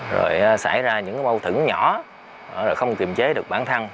rồi xảy ra những cái bâu thử nhỏ rồi không kiềm chế được bản thân